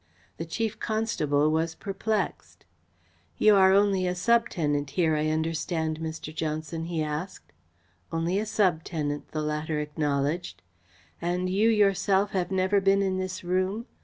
The Chief Constable was perplexed. "You are only a sub tenant here, I understand, Mr. Johnson?" he asked. "Only a sub tenant," the latter acknowledged. "And you yourself have never been in this room?